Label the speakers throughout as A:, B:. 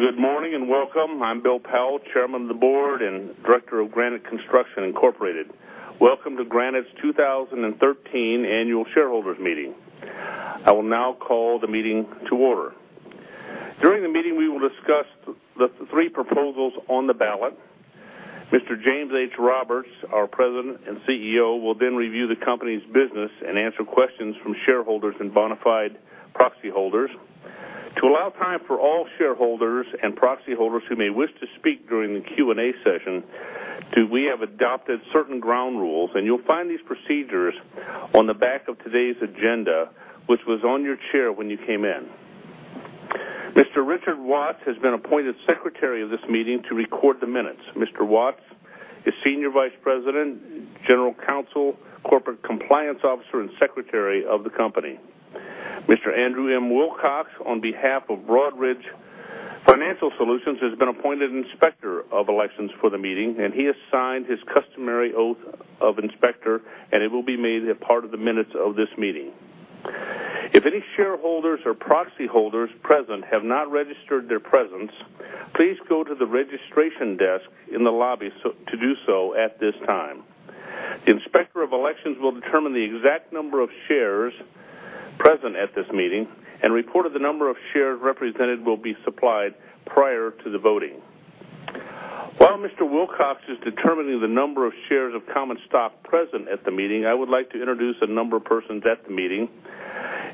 A: Well, good morning and welcome. I'm Bill Powell, Chairman of the Board and Director of Granite Construction Incorporated. Welcome to Granite's 2013 Annual Shareholders Meeting. I will now call the meeting to order. During the meeting, we will discuss the three proposals on the ballot. Mr. James H. Roberts, our President and CEO, will then review the company's business and answer questions from shareholders and bona fide proxy holders. To allow time for all shareholders and proxy holders who may wish to speak during the Q&A session, we have adopted certain ground rules, and you'll find these procedures on the back of today's agenda, which was on your chair when you came in. Mr. Richard Watts has been appointed Secretary of this meeting to record the minutes. Mr. Watts is Senior Vice President, General Counsel, Corporate Compliance Officer, and Secretary of the company. Mr. Andrew M. Wilcox, on behalf of Broadridge Financial Solutions, has been appointed Inspector of Elections for the meeting, and he has signed his customary oath of inspector, and it will be made a part of the minutes of this meeting. If any shareholders or proxy holders present have not registered their presence, please go to the registration desk in the lobby so to do so at this time. The Inspector of Elections will determine the exact number of shares present at this meeting, and report of the number of shares represented will be supplied prior to the voting. While Mr. Wilcox is determining the number of shares of common stock present at the meeting, I would like to introduce a number of persons at the meeting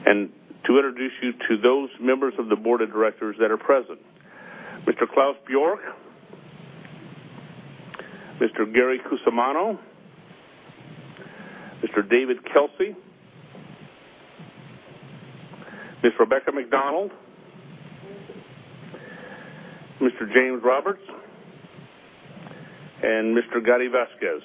A: and to introduce you to those members of the board of directors that are present. Mr. Claes G. Bjork, Mr. Gary M. Cusumano, Mr. David H. Kelsey, Ms. Rebecca MacDonald, Mr. James Roberts, and Mr. Gaddi Vasquez.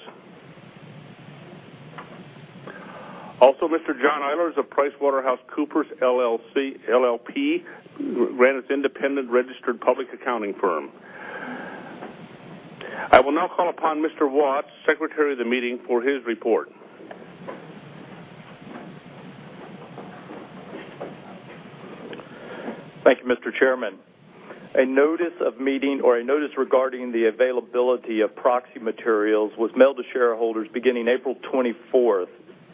A: Also, Mr. John Eilers of PricewaterhouseCoopers LLP, Granite's independent registered public accounting firm. I will now call upon Mr. Watts, Secretary of the meeting, for his report.
B: Thank you, Mr. Chairman. A notice of meeting or a notice regarding the availability of proxy materials was mailed to shareholders beginning April 24,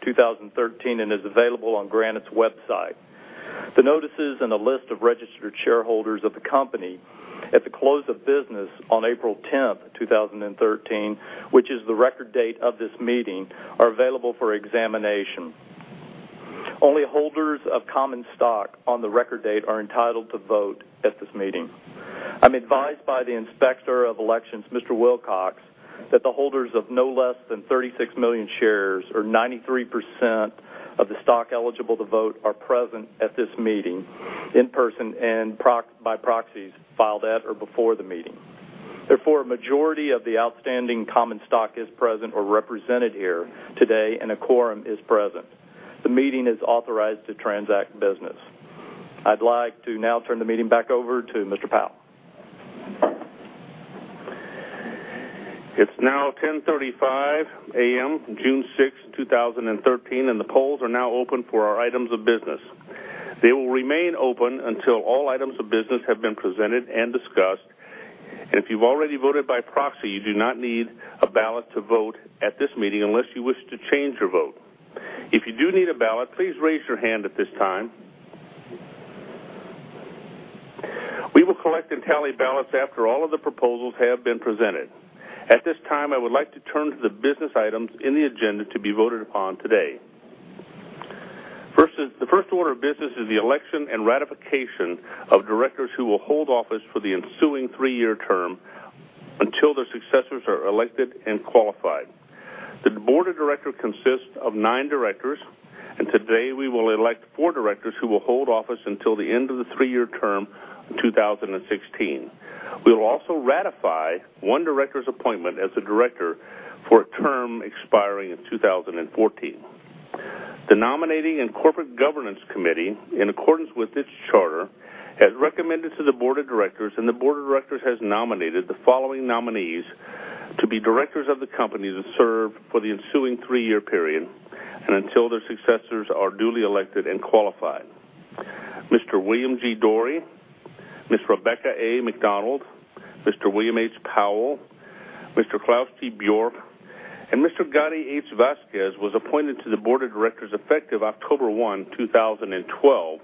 B: 2013, and is available on Granite's website. The notices and a list of registered shareholders of the company at the close of business on April 10, 2013, which is the record date of this meeting, are available for examination. Only holders of common stock on the record date are entitled to vote at this meeting. I'm advised by the Inspector of Elections, Mr. Wilcox, that the holders of no less than 36 million shares, or 93% of the stock eligible to vote, are present at this meeting in person and proxy, by proxies filed at or before the meeting. Therefore, a majority of the outstanding common stock is present or represented here today, and a quorum is present. The meeting is authorized to transact business. I'd like to now turn the meeting back over to Mr. Powell.
A: It's now 10:35 A.M., June 6, 2013, and the polls are now open for our items of business. They will remain open until all items of business have been presented and discussed. If you've already voted by proxy, you do not need a ballot to vote at this meeting unless you wish to change your vote. If you do need a ballot, please raise your hand at this time. We will collect and tally ballots after all of the proposals have been presented. At this time, I would like to turn to the business items in the agenda to be voted upon today. The first order of business is the election and ratification of directors who will hold office for the ensuing 3-year term until their successors are elected and qualified. The board of directors consists of nine directors, and today we will elect four directors who will hold office until the end of the three-year term in 2016. We will also ratify one director's appointment as a director for a term expiring in 2014. The Nominating and Corporate Governance Committee, in accordance with its charter, has recommended to the board of directors, and the board of directors has nominated the following nominees to be directors of the company to serve for the ensuing three-year period and until their successors are duly elected and qualified. Mr. William G. Dorey, Ms. Rebecca A. MacDonald, Mr. William H. Powell, Mr. Claes G. Bjork, and Mr. Gaddi H. Vasquez was appointed to the board of directors effective October 1, 2012.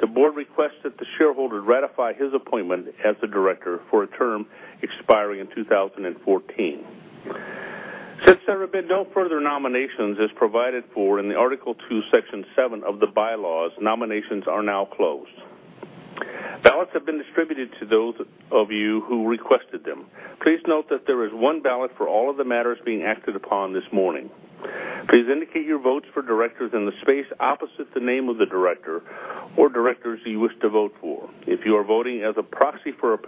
A: The board requests that the shareholder ratify his appointment as the director for a term expiring in 2014. Since there have been no further nominations, as provided for in the Article Two, Section Seven of the bylaws, nominations are now closed. Ballots have been distributed to those of you who requested them. Please note that there is one ballot for all of the matters being acted upon this morning. Please indicate your votes for directors in the space opposite the name of the director or directors you wish to vote for. If you are voting as a proxy for a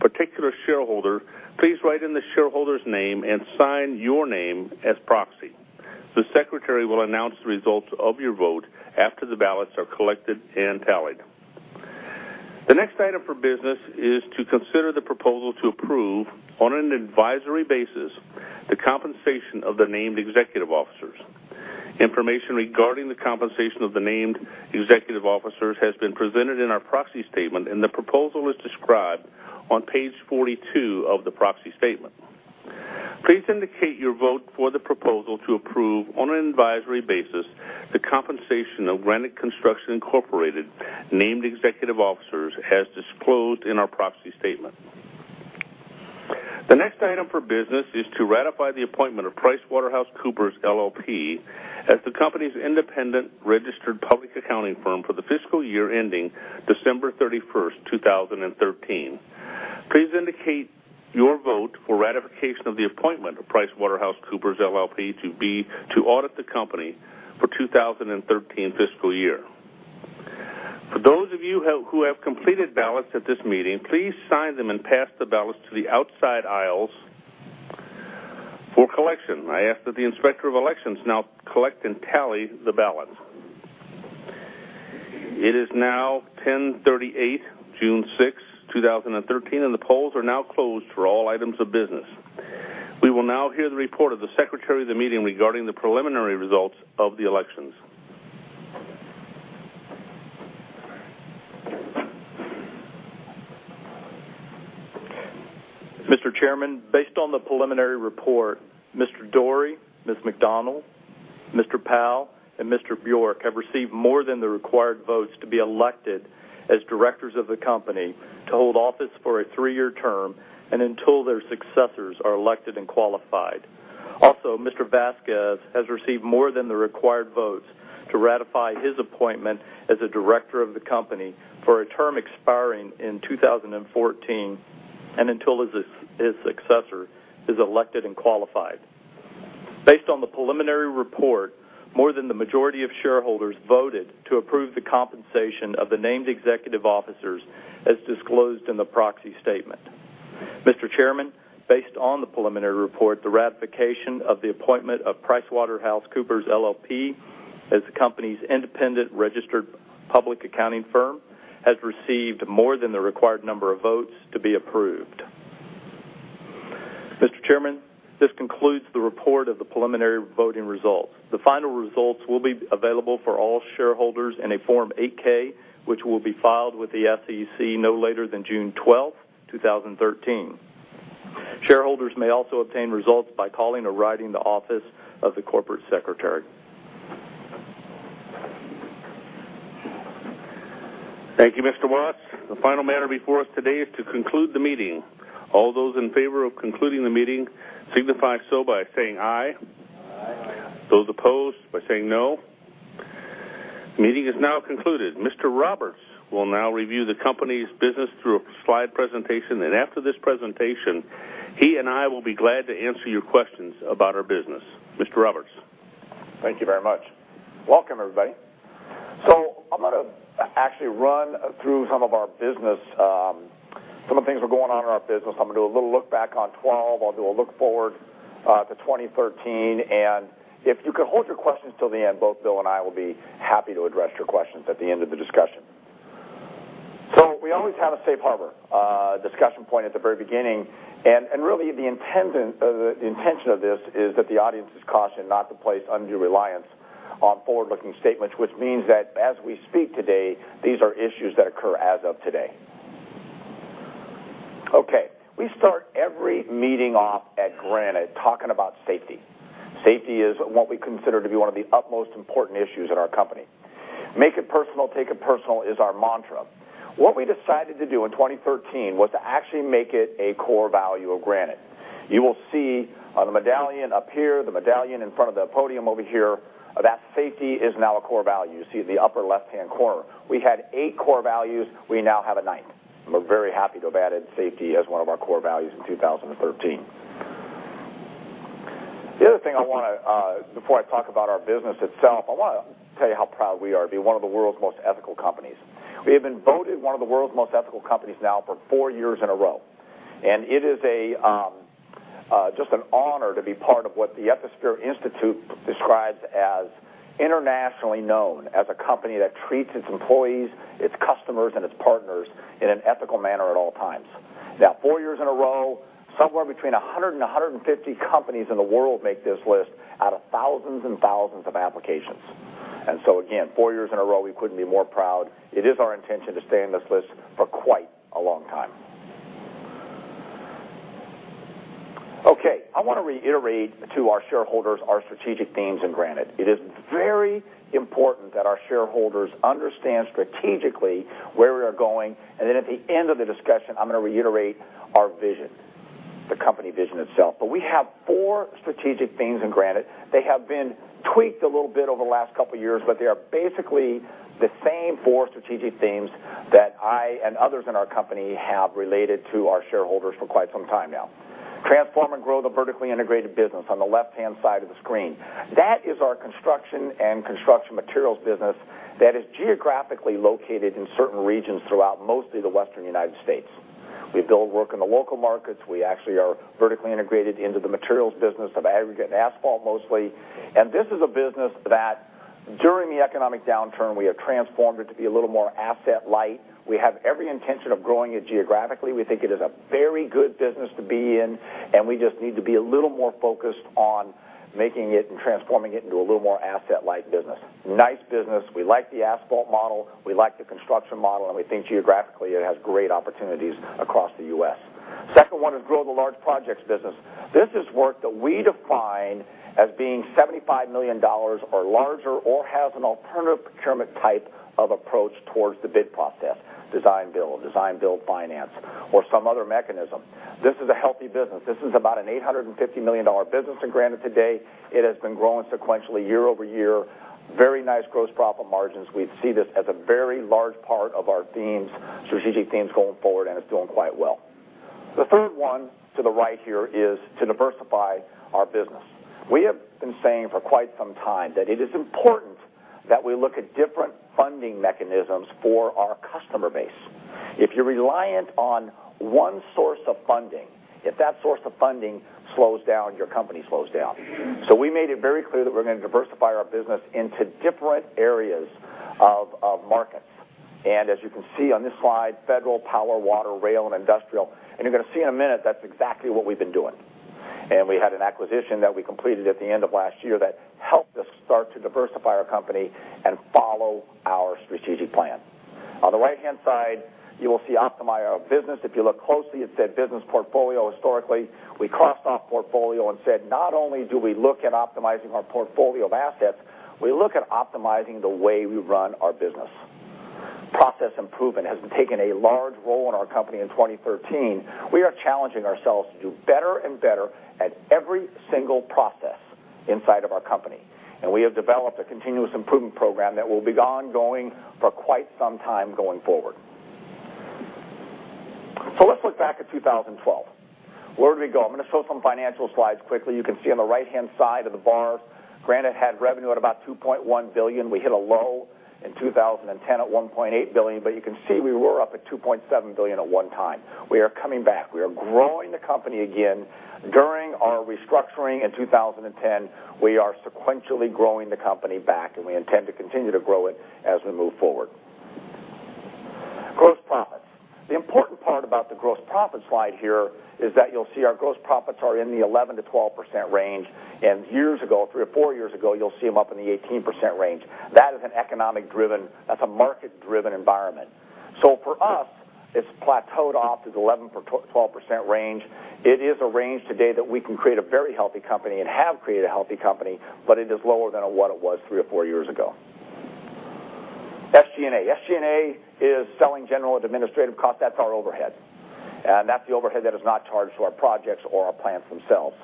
A: particular shareholder, please write in the shareholder's name and sign your name as proxy. The secretary will announce the results of your vote after the ballots are collected and tallied. The next item for business is to consider the proposal to approve, on an advisory basis, the compensation of the named executive officers. Information regarding the compensation of the named executive officers has been presented in our proxy statement, and the proposal is described on page 42 of the proxy statement. Please indicate your vote for the proposal to approve, on an advisory basis, the compensation of Granite Construction Incorporated named executive officers, as disclosed in our proxy statement. The next item for business is to ratify the appointment of PricewaterhouseCoopers LLP as the company's independent registered public accounting firm for the fiscal year ending December 31, 2013. Please indicate your vote for ratification of the appointment of PricewaterhouseCoopers LLP to audit the company for 2013 fiscal year. For those of you who have completed ballots at this meeting, please sign them and pass the ballots to the outside aisles for collection. I ask that the Inspector of Elections now collect and tally the ballots. It is now 10:38 A.M., June sixth, 2013, and the polls are now closed for all items of business. We will now hear the report of the Secretary of the meeting regarding the preliminary results of the elections. Mr. Chairman, based on the preliminary report, Mr. Dorey, Ms. MacDonald, Mr. Powell, and Mr. Bjork have received more than the required votes to be elected as directors of the company to hold office for a three-year term and until their successors are elected and qualified. Also, Mr. Vasquez has received more than the required votes to ratify his appointment as a director of the company for a term expiring in 2014, and until his successor is elected and qualified. Based on the preliminary report, more than the majority of shareholders voted to approve the compensation of the named executive officers, as disclosed in the proxy statement. Mr. Chairman, based on the preliminary report, the ratification of the appointment of PricewaterhouseCoopers LLP as the company's independent registered public accounting firm has received more than the required number of votes to be approved. Mr.
B: Chairman, this concludes the report of the preliminary voting results. The final results will be available for all shareholders in a Form 8-K, which will be filed with the SEC no later than June 12th, 2013. Shareholders may also obtain results by calling or writing the office of the corporate secretary.
A: Thank you, Mr. Watts. The final matter before us today is to conclude the meeting. All those in favor of concluding the meeting signify so by saying aye. Aye. Those opposed by saying no. The meeting is now concluded. Mr. Roberts will now review the company's business through a slide presentation, and after this presentation, he and I will be glad to answer your questions about our business. Mr. Roberts.
C: Thank you very much. Welcome, everybody. So I'm gonna actually run through some of our business, some of the things that are going on in our business. I'm gonna do a little look back on 2012. I'll do a look forward to 2013, and if you could hold your questions till the end, both Bill and I will be happy to address your questions at the end of the discussion. So we always have a safe harbor discussion point at the very beginning, and really the intention of this is that the audience is cautioned not to place undue reliance on forward-looking statements, which means that as we speak today, these are issues that occur as of today. Okay, we start every meeting off at Granite talking about safety. Safety is what we consider to be one of the utmost important issues in our company. "Make it personal, take it personal" is our mantra. What we decided to do in 2013 was to actually make it a core value of Granite. You will see on the medallion up here, the medallion in front of the podium over here, that safety is now a core value. You see it in the upper left-hand corner. We had eight core values. We now have a ninth. We're very happy to have added safety as one of our core values in 2013. The other thing I wanna, before I talk about our business itself, I wanna tell you how proud we are to be one of the world's most ethical companies. We have been voted one of the world's most ethical companies now for four years in a row, and it is just an honor to be part of what the Ethisphere Institute describes as internationally known as a company that treats its employees, its customers, and its partners in an ethical manner at all times. Now, four years in a row, somewhere between 100 and 150 companies in the world make this list out of thousands and thousands of applications. And so again, four years in a row, we couldn't be more proud. It is our intention to stay on this list for quite a long time. Okay, I wanna reiterate to our shareholders our strategic themes in Granite. It is very important that our shareholders understand strategically where we are going, and then at the end of the discussion, I'm gonna reiterate our vision, the company vision itself. But we have four strategic themes in Granite. They have been tweaked a little bit over the last couple of years, but they are basically the same four strategic themes that I and others in our company have related to our shareholders for quite some time now. Transform and grow the vertically integrated business on the left-hand side of the screen. That is our construction and construction materials business that is geographically located in certain regions throughout mostly the Western United States. We build work in the local markets. We actually are vertically integrated into the materials business of aggregate and asphalt mostly, and this is a business that...... During the economic downturn, we have transformed it to be a little more asset-light. We have every intention of growing it geographically. We think it is a very good business to be in, and we just need to be a little more focused on making it and transforming it into a little more asset-light business. Nice business. We like the asphalt model, we like the construction model, and we think geographically, it has great opportunities across the U.S. Second one is grow the large projects business. This is work that we define as being $75 million or larger or has an alternative procurement type of approach towards the bid process, design-build, design-build-finance, or some other mechanism. This is a healthy business. This is about an $850 million business in Granite today. It has been growing sequentially year-over-year, very nice gross profit margins. We see this as a very large part of our themes, strategic themes going forward, and it's doing quite well. The third one to the right here is to diversify our business. We have been saying for quite some time that it is important that we look at different funding mechanisms for our customer base. If you're reliant on one source of funding, if that source of funding slows down, your company slows down. So we made it very clear that we're gonna diversify our business into different areas of, of markets. And as you can see on this slide, federal, power, water, rail, and industrial, and you're gonna see in a minute that's exactly what we've been doing. We had an acquisition that we completed at the end of last year that helped us start to diversify our company and follow our strategic plan. On the right-hand side, you will see optimize our business. If you look closely, it said business portfolio. Historically, we crossed off portfolio and said, not only do we look at optimizing our portfolio of assets, we look at optimizing the way we run our business. Process improvement has taken a large role in our company in 2013. We are challenging ourselves to do better and better at every single process inside of our company, and we have developed a continuous improvement program that will be ongoing for quite some time going forward. Let's look back at 2012. Where did we go? I'm gonna show some financial slides quickly. You can see on the right-hand side of the bar, Granite had revenue at about $2.1 billion. We hit a low in 2010 at $1.8 billion, but you can see we were up at $2.7 billion at one time. We are coming back. We are growing the company again. During our restructuring in 2010, we are sequentially growing the company back, and we intend to continue to grow it as we move forward. Gross profits. The important part about the gross profits slide here is that you'll see our gross profits are in the 11%-12% range, and years ago, three or four years ago, you'll see them up in the 18% range. That is an economic-driven, that's a market-driven environment. So for us, it's plateaued off to the 11%-12% range. It is a range today that we can create a very healthy company and have created a healthy company, but it is lower than what it was three or four years ago. SG&A. SG&A is selling, general, and administrative cost. That's our overhead, and that's the overhead that is not charged to our projects or our plants themselves.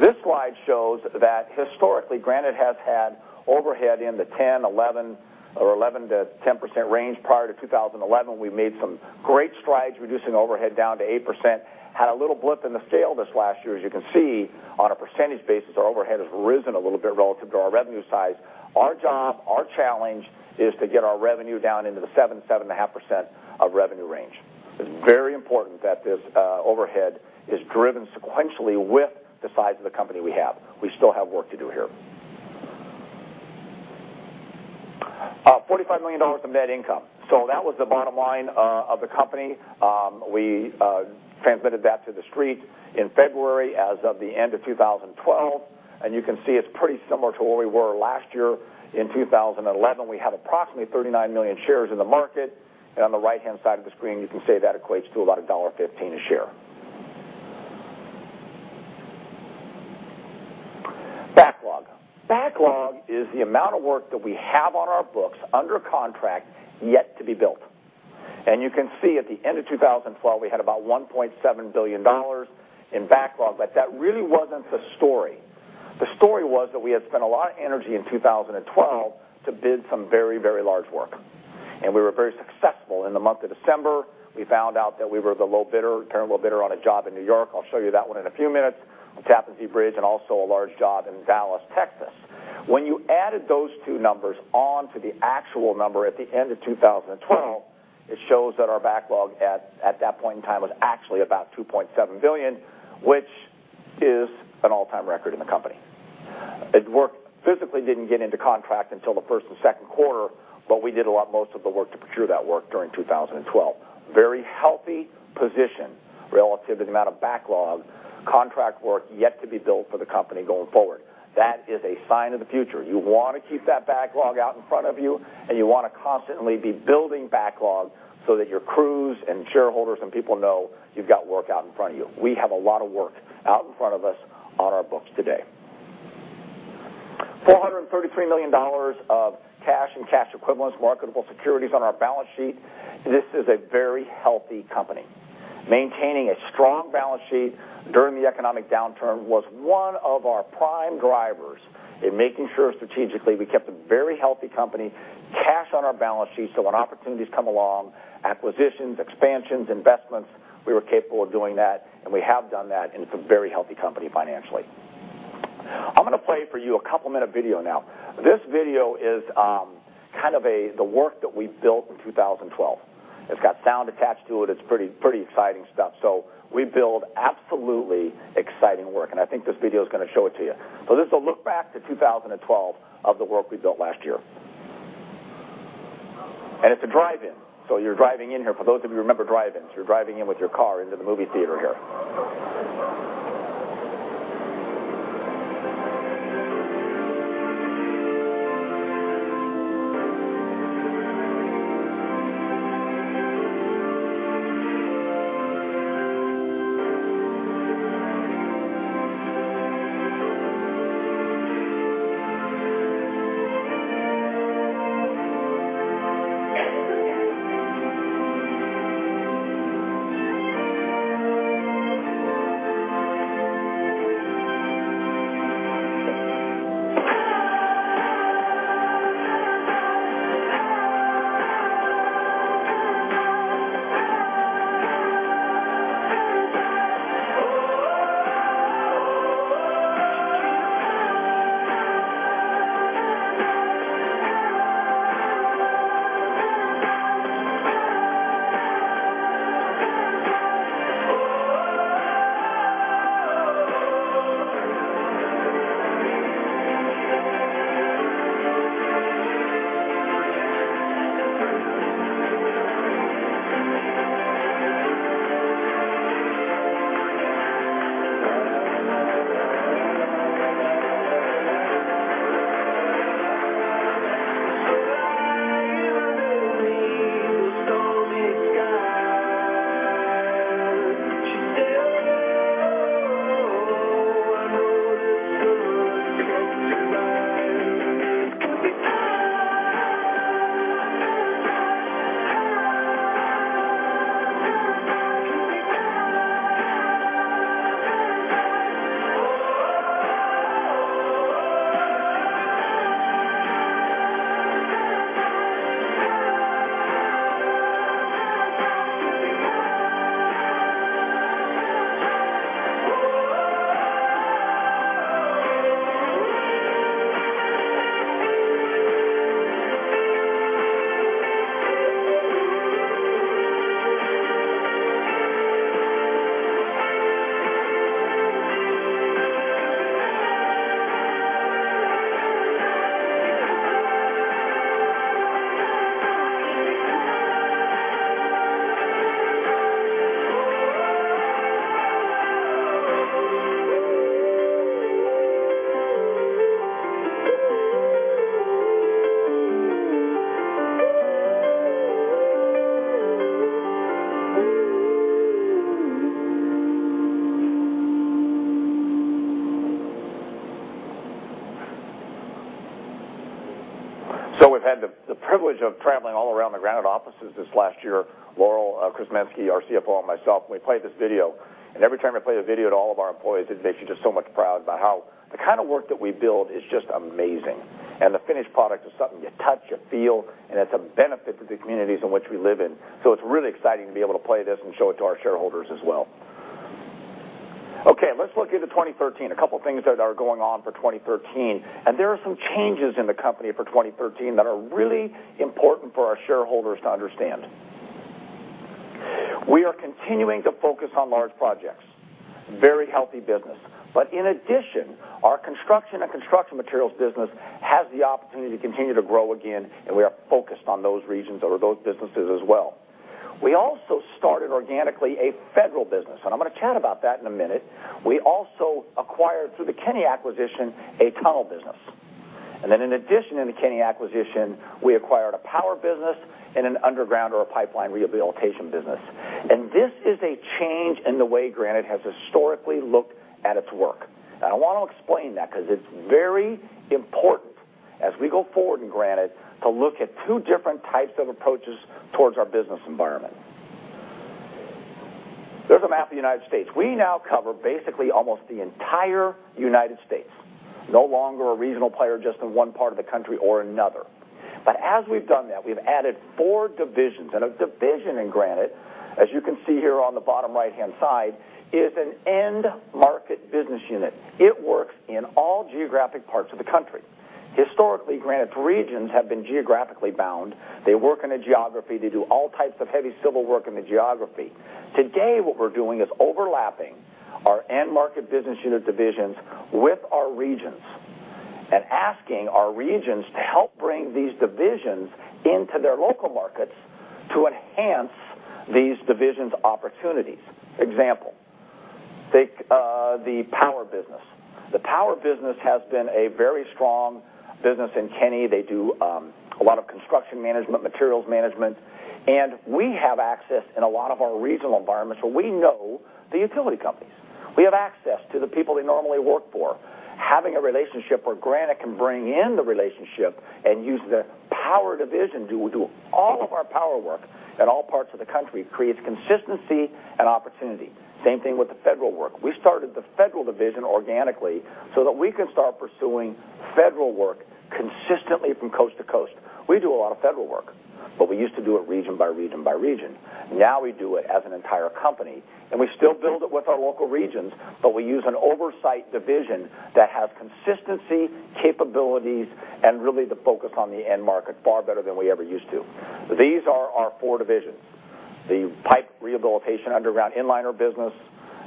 C: This slide shows that historically, Granite has had overhead in the 10%-11% or 11%-10% range prior to 2011. We've made some great strides, reducing overhead down to 8%. Had a little blip in the scale this last year, as you can see. On a percentage basis, our overhead has risen a little bit relative to our revenue size. Our job, our challenge, is to get our revenue down into the 7%-7.5% of revenue range. It's very important that this, overhead is driven sequentially with the size of the company we have. We still have work to do here. Forty-five million dollars of net income. So that was the bottom line, of the company. We transmitted that to the street in February as of the end of 2012, and you can see it's pretty similar to where we were last year in 2011. We have approximately 39 million shares in the market, and on the right-hand side of the screen, you can see that equates to about $1.15 a share. Backlog. Backlog is the amount of work that we have on our books under contract yet to be built. You can see at the end of 2012, we had about $1.7 billion in backlog, but that really wasn't the story. The story was that we had spent a lot of energy in 2012 to bid some very, very large work, and we were very successful. In the month of December, we found out that we were the low bidder, turned low bidder on a job in New York. I'll show you that one in a few minutes, the Tappan Zee Bridge, and also a large job in Dallas, Texas. When you added those two numbers onto the actual number at the end of 2012, it shows that our backlog at that point in time was actually about $2.7 billion, which is an all-time record in the company. It worked. Physically didn't get into contract until the first and second quarter, but we did a lot most of the work to procure that work during 2012. Very healthy position relative to the amount of backlog, contract work yet to be built for the company going forward. That is a sign of the future. You wanna keep that backlog out in front of you, and you wanna constantly be building backlog so that your crews and shareholders and people know you've got work out in front of you. We have a lot of work out in front of us on our books today. $433 million of cash and cash equivalents, marketable securities on our balance sheet. This is a very healthy company. Maintaining a strong balance sheet during the economic downturn was one of our prime drivers in making sure strategically we kept a very healthy company, cash on our balance sheet, so when opportunities come along, acquisitions, expansions, investments, we were capable of doing that, and we have done that, and it's a very healthy company financially. I'm gonna play for you a couple-minute video now. This video is kind of the work that we built in 2012. It's got sound attached to it. It's pretty, pretty exciting stuff. So we build absolutely exciting work, and I think this video is gonna show it to you. So this is a look back to 2012 of the work we built last year. It's a drive-in, so you're driving in here. For those of you who remember drive-ins, you're driving in with your car into the movie theater here. So we've had the privilege of traveling all around the Granite offices this last year. Laurel Krzeminski, our CFO, and myself, we played this video, and every time we play the video to all of our employees, it makes you just so much proud about how the kind of work that we build is just amazing. And the finished product is something you touch, you feel, and it's a benefit to the communities in which we live in. So it's really exciting to be able to play this and show it to our shareholders as well. Okay, let's look into 2013. A couple of things that are going on for 2013, and there are some changes in the company for 2013 that are really important for our shareholders to understand. We are continuing to focus on large projects, very healthy business. But in addition, our construction and construction materials business has the opportunity to continue to grow again, and we are focused on those regions or those businesses as well. We also started organically, a federal business, and I'm gonna chat about that in a minute. We also acquired, through the Kenny acquisition, a tunnel business. And then in addition, in the Kenny acquisition, we acquired a power business and an underground or a pipeline rehabilitation business. And this is a change in the way Granite has historically looked at its work. I want to explain that, 'cause it's very important as we go forward in Granite, to look at two different types of approaches towards our business environment. Here's a map of the United States. We now cover basically almost the entire United States. No longer a regional player, just in one part of the country or another. But as we've done that, we've added four divisions. A division in Granite, as you can see here on the bottom right-hand side, is an end market business unit. It works in all geographic parts of the country. Historically, Granite's regions have been geographically bound. They work in a geography. They do all types of heavy civil work in the geography. Today, what we're doing is overlapping our end-market business unit divisions with our regions, and asking our regions to help bring these divisions into their local markets to enhance these divisions' opportunities. Example, take, the power business. The power business has been a very strong business in Kenny. They do a lot of construction management, materials management, and we have access in a lot of our regional environments, so we know the utility companies. We have access to the people they normally work for. Having a relationship where Granite can bring in the relationship and use the power division to do all of our power work in all parts of the country, creates consistency and opportunity. Same thing with the federal work. We started the federal division organically so that we can start pursuing federal work consistently from coast to coast. We do a lot of federal work, but we used to do it region by region by region. Now we do it as an entire company, and we still build it with our local regions, but we use an oversight division that has consistency, capabilities, and really the focus on the end market, far better than we ever used to. These are our four divisions. The pipe rehabilitation underground Inliner business,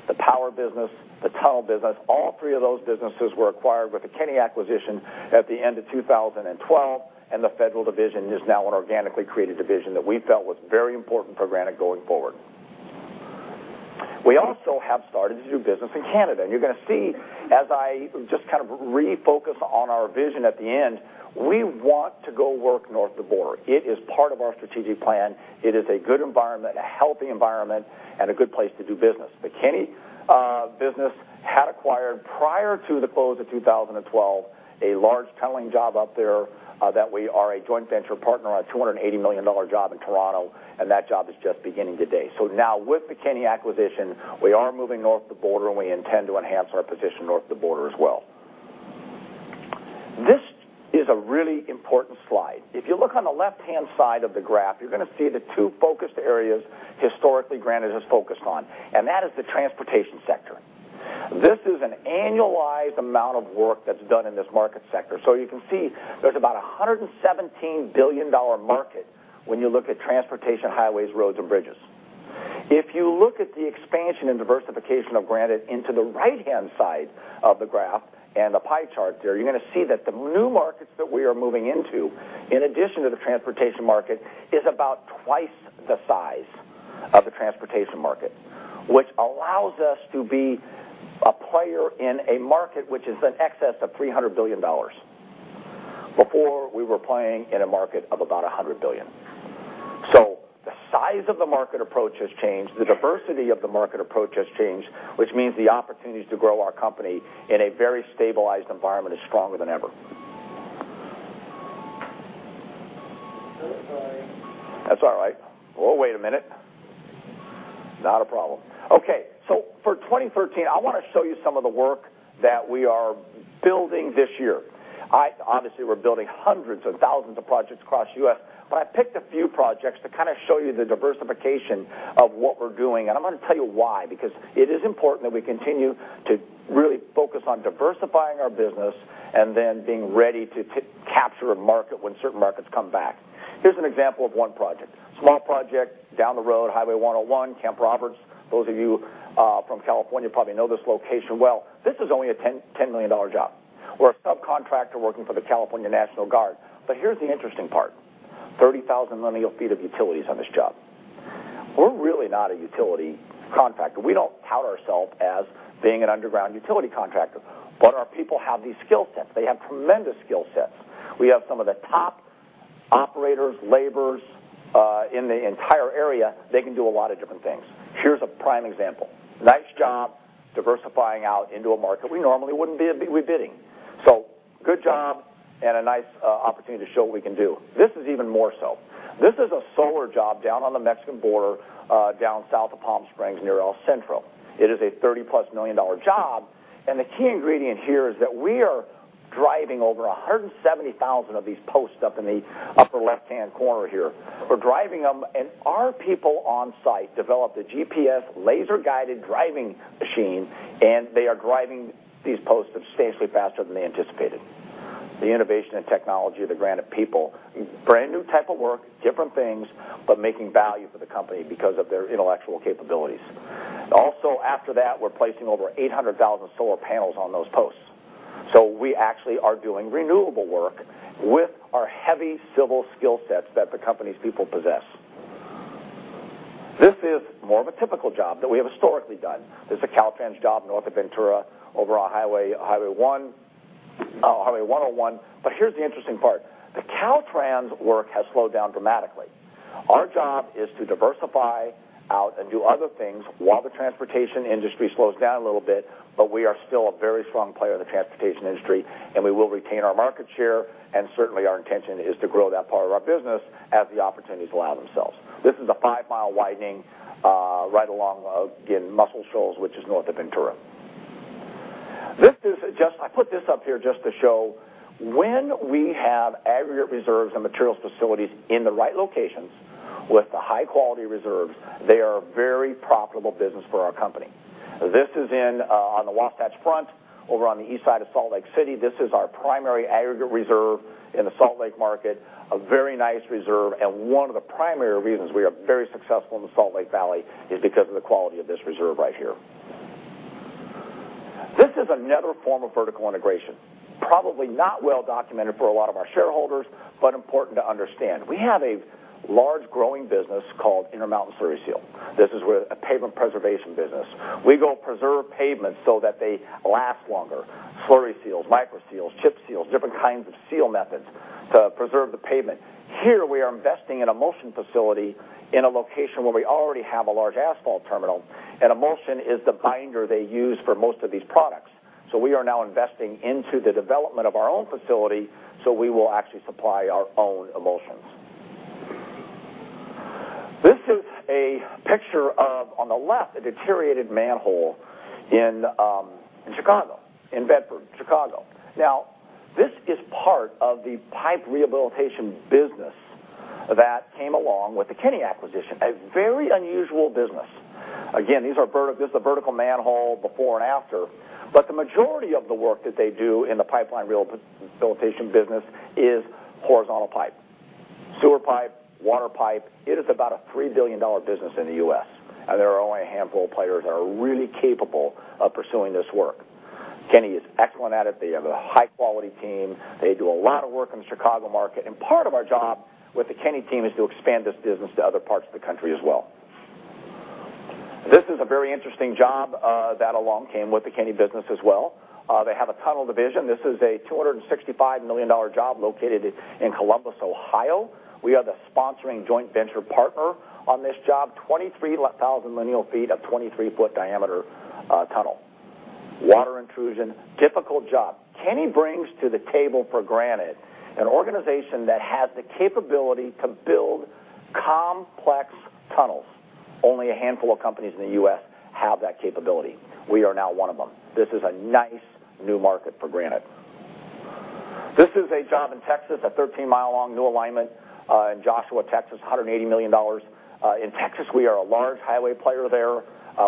C: the power business, the tunnel business, all three of those businesses were acquired with the Kenny acquisition at the end of 2012, and the federal division is now an organically created division that we felt was very important for Granite going forward. We also have started to do business in Canada, and you're gonna see, as I just kind of refocus on our vision at the end, we want to go work north of the border. It is part of our strategic plan. It is a good environment, a healthy environment, and a good place to do business. The Kenny business had acquired, prior to the close of 2012, a large tunneling job up there that we are a joint venture partner on a $280 million job in Toronto, and that job is just beginning today. So now with the Kenny acquisition, we are moving north of the border, and we intend to enhance our position north of the border as well. This is a really important slide. If you look on the left-hand side of the graph, you're gonna see the two focused areas historically Granite has focused on, and that is the transportation sector. This is an annualized amount of work that's done in this market sector. So you can see there's about a $117 billion market when you look at transportation, highways, roads, and bridges. If you look at the expansion and diversification of Granite into the right-hand side of the graph and the pie chart there, you're gonna see that the new markets that we are moving into, in addition to the transportation market, is about twice the size of the transportation market, which allows us to be a player in a market which is in excess of $300 billion. Before, we were playing in a market of about $100 billion. So the size of the market approach has changed, the diversity of the market approach has changed, which means the opportunities to grow our company in a very stabilized environment is stronger than ever. That's all right. We'll wait a minute. Not a problem. Okay, so for 2013, I wanna show you some of the work that we are building this year. Obviously, we're building hundreds of thousands of projects across the U.S., but I picked a few projects to kinda show you the diversification of what we're doing, and I'm gonna tell you why, because it is important that we continue to really focus on diversifying our business and then being ready to capture a market when certain markets come back. Here's an example of one project, a small project down the road, Highway 101, Camp Roberts. Those of you from California probably know this location well. This is only a $10 million job. We're a subcontractor working for the California National Guard. But here's the interesting part: 30,000 linear feet of utilities on this job. We're really not a utility contractor. We don't tout ourselves as being an underground utility contractor, but our people have these skill sets. They have tremendous skill sets. We have some of the top operators, laborers, in the entire area. They can do a lot of different things. Here's a prime example. Nice job diversifying out into a market we normally wouldn't be bidding. So good job and a nice opportunity to show what we can do. This is even more so. This is a solar job down on the Mexican border, down south of Palm Springs, near El Centro. It is a $30+ million job, and the key ingredient here is that we are driving over 170,000 of these posts up in the upper left-hand corner here. We're driving them, and our people on-site developed a GPS, laser-guided driving machine, and they are driving these posts substantially faster than they anticipated. The innovation and technology of the Granite people, brand-new type of work, different things, but making value for the company because of their intellectual capabilities. Also, after that, we're placing over 800,000 solar panels on those posts. So we actually are doing renewable work with our heavy civil skill sets that the company's people possess. This is more of a typical job that we have historically done. This is a Caltrans job north of Ventura, over on Highway, Highway One, Highway 101. But here's the interesting part: the Caltrans work has slowed down dramatically. Our job is to diversify out and do other things while the transportation industry slows down a little bit, but we are still a very strong player in the transportation industry, and we will retain our market share, and certainly, our intention is to grow that part of our business as the opportunities allow themselves. This is a five-mile widening, right along, again, Mussel Shoals, which is north of Ventura. This is just I put this up here just to show when we have aggregate reserves and materials facilities in the right locations with the high-quality reserves, they are a very profitable business for our company. This is in, on the Wasatch Front, over on the east side of Salt Lake City. This is our primary aggregate reserve in the Salt Lake market, a very nice reserve, and one of the primary reasons we are very successful in the Salt Lake Valley is because of the quality of this reserve right here. This is another form of vertical integration, probably not well documented for a lot of our shareholders, but important to understand. We have a large, growing business called Intermountain Slurry Seal. This is where a pavement preservation business. We go preserve pavements so that they last longer. Slurry seals, micro seals, chip seals, different kinds of seal methods to preserve the pavement. Here, we are investing in an emulsion facility in a location where we already have a large asphalt terminal, and emulsion is the binder they use for most of these products. So we are now investing into the development of our own facility, so we will actually supply our own emulsions. This is a picture of, on the left, a deteriorated manhole in, in Chicago, in Bedford, Chicago. Now, this is part of the pipe rehabilitation business that came along with the Kenny acquisition, a very unusual business. Again, these are vert-- this is a vertical manhole before and after, but the majority of the work that they do in the pipeline rehabilitation business is horizontal pipe.... sewer pipe, water pipe, it is about a $3 billion business in the U.S., and there are only a handful of players that are really capable of pursuing this work. Kenny is excellent at it. They have a high-quality team. They do a lot of work in the Chicago market, and part of our job with the Kenny team is to expand this business to other parts of the country as well. This is a very interesting job, that along came with the Kenny business as well. They have a tunnel division. This is a $265 million job located in Columbus, Ohio. We are the sponsoring joint venture partner on this job, 23,000 lineal feet of 23-foot diameter, tunnel. Water intrusion, difficult job. Kenny brings to the table, for Granite, an organization that has the capability to build complex tunnels. Only a handful of companies in the U.S. have that capability. We are now one of them. This is a nice new market for Granite. This is a job in Texas, a 13-mile-long new alignment in Joshua, Texas, $180 million. In Texas, we are a large highway player there.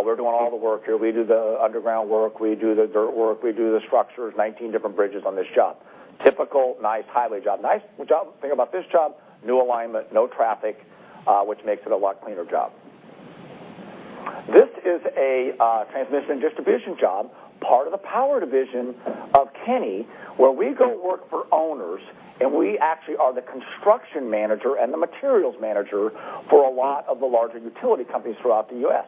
C: We're doing all the work here. We do the underground work, we do the dirt work, we do the structures, 19 different bridges on this job. Typical, nice, highway job. Nice job. Thing about this job, new alignment, no traffic, which makes it a lot cleaner job. This is a transmission and distribution job, part of the power division of Kenny, where we go work for owners, and we actually are the construction manager and the materials manager for a lot of the larger utility companies throughout the U.S.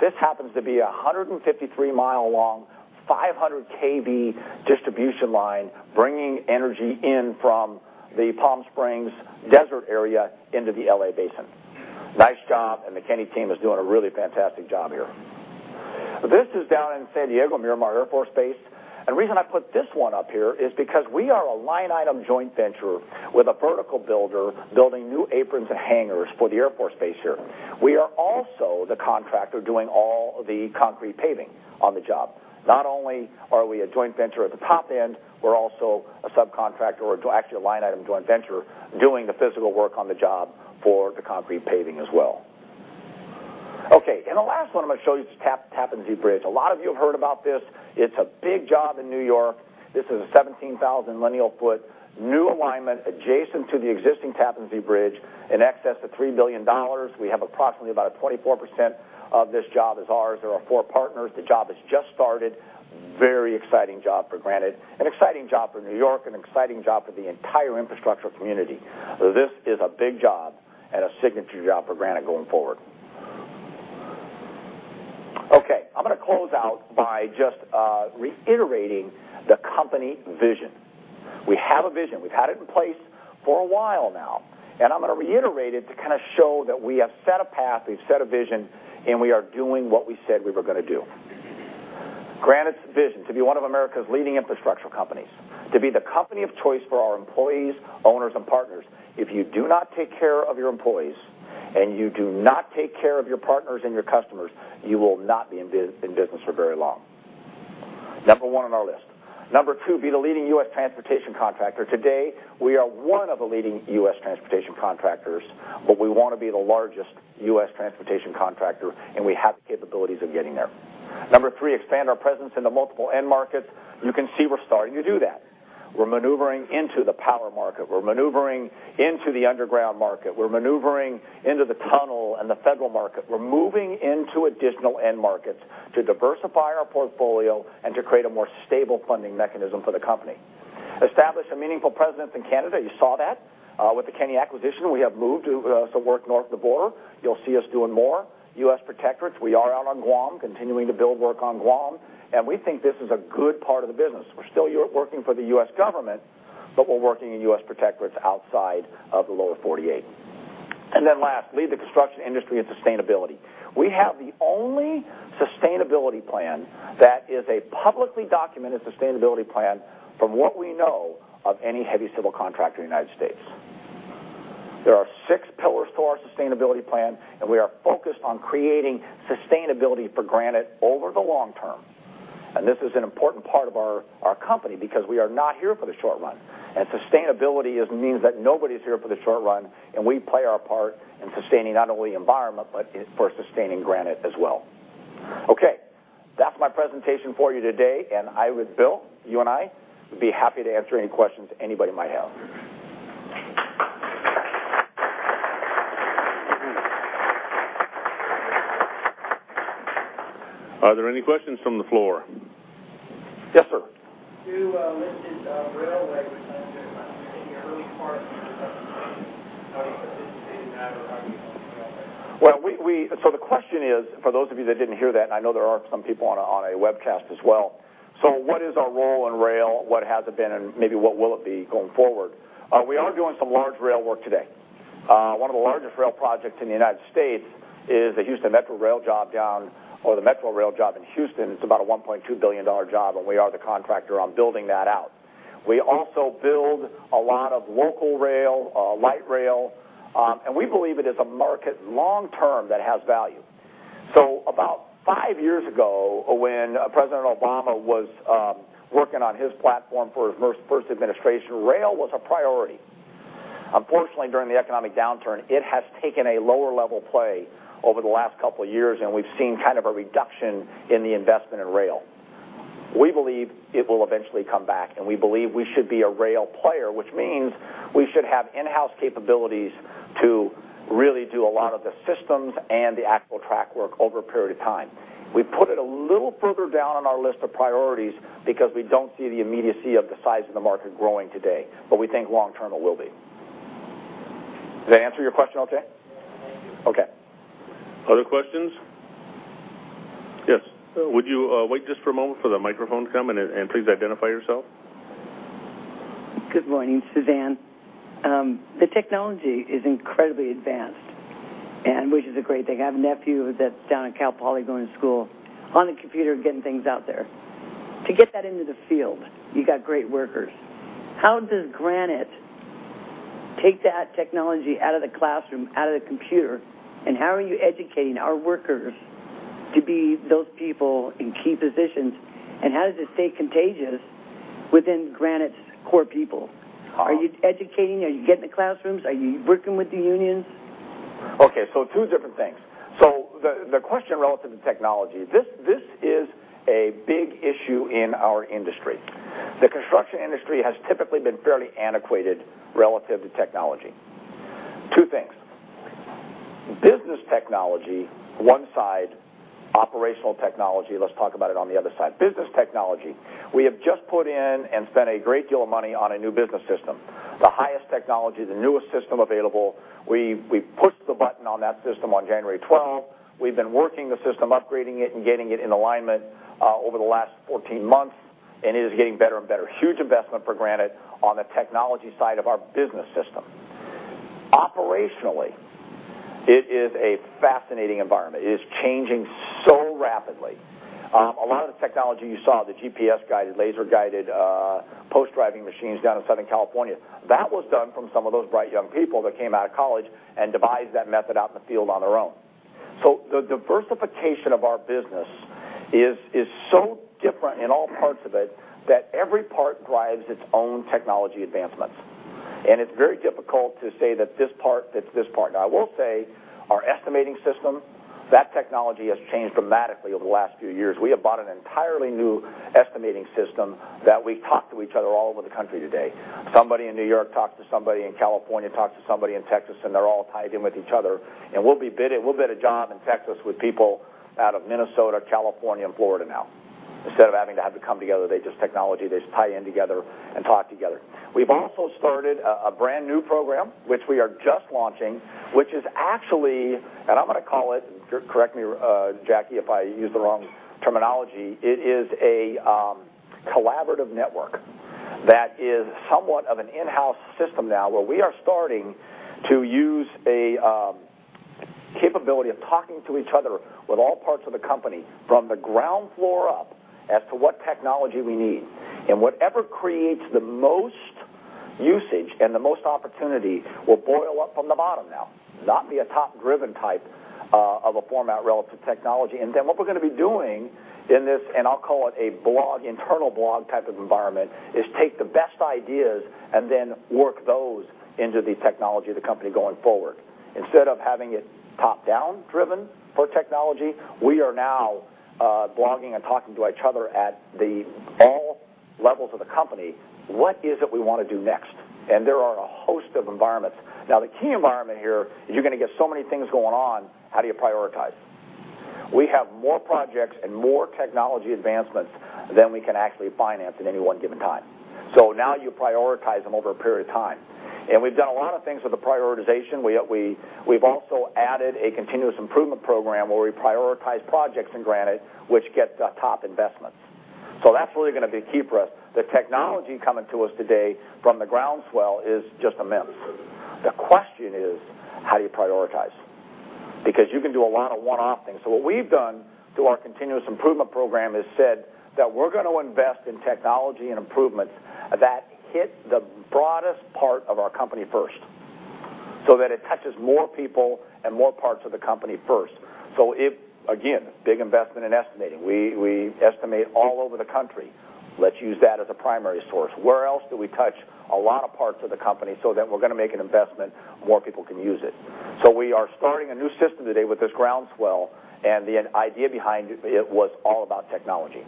C: This happens to be a 153-mile-long, 500 kV distribution line, bringing energy in from the Palm Springs desert area into the L.A. Basin. Nice job, and the Kenny team is doing a really fantastic job here. This is down in San Diego, Miramar Air Force Base. The reason I put this one up here is because we are a line-item joint venture with a vertical builder, building new aprons and hangars for the Air Force base here. We are also the contractor doing all the concrete paving on the job. Not only are we a joint venture at the top end, we're also a subcontractor, or actually, a line-item joint venture, doing the physical work on the job for the concrete paving as well. Okay, and the last one I'm gonna show you is the Tappan Zee Bridge. A lot of you have heard about this. It's a big job in New York. This is a 17,000 linear foot, new alignment, adjacent to the existing Tappan Zee Bridge, in excess of $3 billion. We have approximately about a 24% of this job is ours. There are 4 partners. The job has just started. Very exciting job for Granite, an exciting job for New York, an exciting job for the entire infrastructure community. This is a big job and a signature job for Granite going forward. Okay, I'm gonna close out by just, reiterating the company vision. We have a vision. We've had it in place for a while now, and I'm gonna reiterate it to kind of show that we have set a path, we've set a vision, and we are doing what we said we were gonna do. Granite's vision: To be one of America's leading infrastructure companies, to be the company of choice for our employees, owners, and partners. If you do not take care of your employees, and you do not take care of your partners and your customers, you will not be in business for very long. Number one on our list. Number two, be the leading U.S. transportation contractor. Today, we are one of the leading U.S. transportation contractors, but we want to be the largest U.S. transportation contractor, and we have the capabilities of getting there. Number three, expand our presence in the multiple end markets. You can see we're starting to do that. We're maneuvering into the power market. We're maneuvering into the underground market. We're maneuvering into the tunnel and the federal market. We're moving into additional end markets to diversify our portfolio and to create a more stable funding mechanism for the company. Establish a meaningful presence in Canada. You saw that, with the Kenny acquisition. We have moved to, some work north of the border. You'll see us doing more. U.S. protectorates, we are out on Guam, continuing to build work on Guam, and we think this is a good part of the business. We're still working for the U.S. government, but we're working in U.S. protectorates outside of the lower 48. And then last, lead the construction industry in sustainability. We have the only sustainability plan that is a publicly documented sustainability plan, from what we know, of any heavy civil contractor in the United States. There are six pillars to our sustainability plan, and we are focused on creating sustainability for Granite over the long term. This is an important part of our company because we are not here for the short run, and sustainability means that nobody's here for the short run, and we play our part in sustaining not only the environment, but also for sustaining Granite as well. Okay, that's my presentation for you today, and I, with Bill, you and I, would be happy to answer any questions anybody might have.
A: Are there any questions from the floor?
C: Yes, sir. You listed railway, which I'm thinking early part. Are you participating in that, or are you- Well, so the question is, for those of you that didn't hear that, and I know there are some people on a webcast as well. So what is our role in rail, what has it been, and maybe what will it be going forward? We are doing some large rail work today. One of the largest rail projects in the United States is the Houston Metro rail job down, or the Metro rail job in Houston. It's about a $1.2 billion job, and we are the contractor on building that out. We also build a lot of local rail, light rail, and we believe it is a market long term that has value. So about five years ago, when President Obama was working on his platform for his first administration, rail was a priority. Unfortunately, during the economic downturn, it has taken a lower-level play over the last couple of years, and we've seen kind of a reduction in the investment in rail.... We believe it will eventually come back, and we believe we should be a rail player, which means we should have in-house capabilities to really do a lot of the systems and the actual track work over a period of time. We put it a little further down on our list of priorities because we don't see the immediacy of the size of the market growing today, but we think long-term, it will be. Did I answer your question okay? Okay.
D: Other questions? Yes. Would you, wait just for a moment for the microphone to come, and please identify yourself. Good morning, Suzanne. The technology is incredibly advanced, and which is a great thing. I have a nephew that's down at Cal Poly, going to school, on the computer, getting things out there. To get that into the field, you got great workers. How does Granite take that technology out of the classroom, out of the computer, and how are you educating our workers to be those people in key positions, and how does it stay contagious within Granite's core people?
C: Uh- Are you educating? Are you getting in the classrooms? Are you working with the unions? Okay, so two different things. So the question relative to technology, this is a big issue in our industry. The construction industry has typically been fairly antiquated relative to technology. Two things: business technology, one side, operational technology, let's talk about it on the other side. Business technology, we have just put in and spent a great deal of money on a new business system, the highest technology, the newest system available. We pushed the button on that system on January twelfth. We've been working the system, upgrading it, and getting it in alignment over the last 14 months, and it is getting better and better. Huge investment for Granite on the technology side of our business system. Operationally, it is a fascinating environment. It is changing so rapidly. A lot of the technology you saw, the GPS-guided, laser-guided, post-driving machines down in Southern California, that was done from some of those bright, young people that came out of college and devised that method out in the field on their own. So the diversification of our business is, is so different in all parts of it, that every part drives its own technology advancements. And it's very difficult to say that this part... Now, I will say, our estimating system, that technology has changed dramatically over the last few years. We have bought an entirely new estimating system that we talk to each other all over the country today. Somebody in New York talks to somebody in California, talks to somebody in Texas, and they're all tied in with each other. And we'll bid a job in Texas with people out of Minnesota, California, and Florida now. Instead of having to come together, they just technology, they just tie in together and talk together. We've also started a brand-new program, which we are just launching, which is actually, and I'm gonna call it, correct me, Jackie, if I use the wrong terminology, it is a collaborative network that is somewhat of an in-house system now, where we are starting to use a capability of talking to each other with all parts of the company, from the ground floor up, as to what technology we need. And whatever creates the most usage and the most opportunity will boil up from the bottom now, not be a top-driven type of a format relative to technology. And then, what we're gonna be doing in this, and I'll call it a blog, internal blog type of environment, is take the best ideas and then work those into the technology of the company going forward. Instead of having it top-down driven for technology, we are now, blogging and talking to each other at the all levels of the company, what is it we wanna do next? And there are a host of environments. Now, the key environment here is you're gonna get so many things going on, how do you prioritize? We have more projects and more technology advancements than we can actually finance at any one given time. So now, you prioritize them over a period of time. And we've done a lot of things with the prioritization. We've also added a continuous improvement program, where we prioritize projects in Granite, which get the top investments. So that's really gonna be key for us. The technology coming to us today from the groundswell is just immense. The question is: how do you prioritize? Because you can do a lot of one-off things. So what we've done through our continuous improvement program is said that we're gonna invest in technology and improvements that hit the broadest part of our company first, so that it touches more people and more parts of the company first. So if, again, big investment in estimating, we estimate all over the country. Let's use that as a primary source. Where else do we touch a lot of parts of the company so that we're gonna make an investment, more people can use it? We are starting a new system today with this groundswell, and the idea behind it. It was all about technology.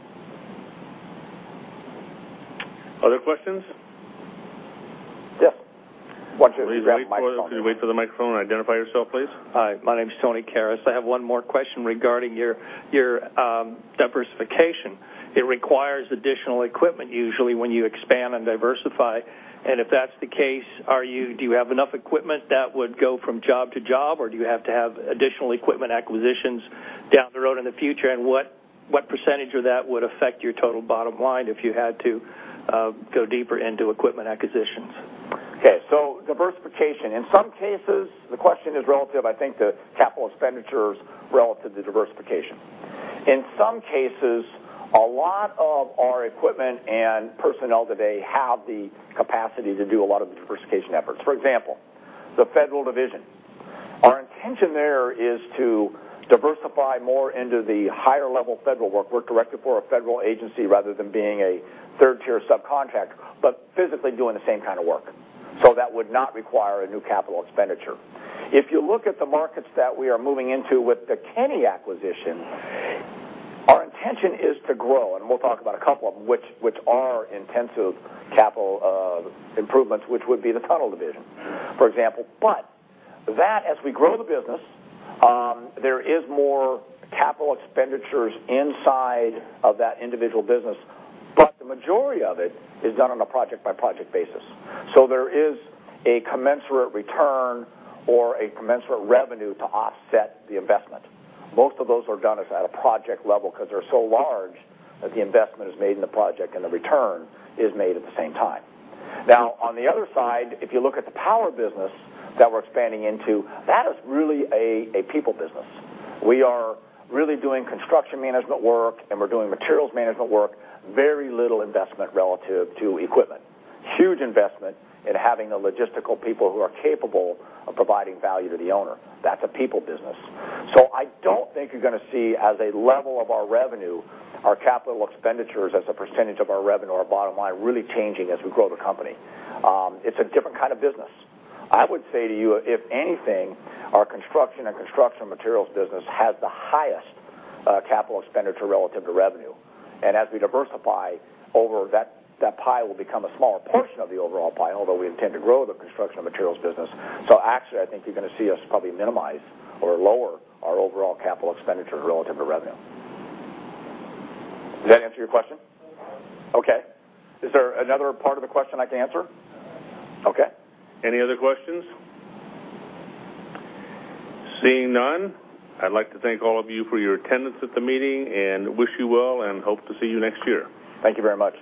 D: Other questions?
C: Yes. Why don't you grab the microphone?
D: Please wait for the microphone and identify yourself, please. Hi, my name is Tony Karis. I have one more question regarding your diversification. It requires additional equipment, usually, when you expand and diversify, and if that's the case, do you have enough equipment that would go from job to job, or do you have to have additional equipment acquisitions down the road in the future? And what percentage of that would affect your total bottom line if you had to go deeper into equipment acquisitions?
C: Okay, so diversification. In some cases, the question is relative, I think, to capital expenditures relative to diversification. In some cases, a lot of our equipment and personnel today have the capacity to do a lot of the diversification efforts. For example, the federal division. Our intention there is to diversify more into the higher-level federal work. We're directed for a federal agency, rather than being a third-tier subcontract, but physically doing the same kind of work. So that would not require a new capital expenditure. If you look at the markets that we are moving into with the Kenny acquisition, our intention is to grow, and we'll talk about a couple of them, which are intensive capital improvements, which would be the tunnel division, for example. But that, as we grow the business, there is more capital expenditures inside of that individual business, but the majority of it is done on a project-by-project basis. So there is a commensurate return or a commensurate revenue to offset the investment. Most of those are done at a project level because they're so large that the investment is made in the project, and the return is made at the same time. Now, on the other side, if you look at the power business that we're expanding into, that is really a people business. We are really doing construction management work, and we're doing materials management work, very little investment relative to equipment. Huge investment in having the logistical people who are capable of providing value to the owner. That's a people business. So I don't think you're gonna see, as a level of our revenue, our capital expenditures as a percentage of our revenue, or our bottom line, really changing as we grow the company. It's a different kind of business. I would say to you, if anything, our construction and construction materials business has the highest capital expenditure relative to revenue. And as we diversify over that, that pie will become a smaller portion of the overall pie, although we intend to grow the construction materials business. So actually, I think you're gonna see us probably minimize or lower our overall capital expenditure relative to revenue. Does that answer your question? Yes. Okay. Is there another part of the question I can answer? No. Okay.
A: Any other questions? Seeing none, I'd like to thank all of you for your attendance at the meeting and wish you well, and hope to see you next year.
C: Thank you very much.